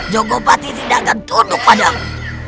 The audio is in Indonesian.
jogopati tidak akan tunduk padang